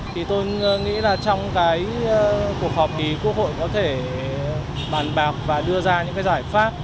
thì tôi nghĩ là trong cái cuộc họp thì quốc hội có thể bàn bạc và đưa ra những cái giải pháp